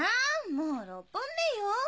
もう６本目よ。